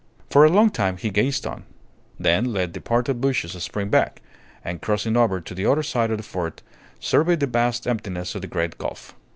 For a long time he gazed on, then let the parted bushes spring back, and, crossing over to the other side of the fort, surveyed the vaster emptiness of the great gulf.